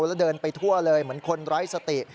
แล้วเดินไปทั่วเลยเหมือนคนไร้สติ